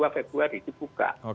dua puluh dua februari dibuka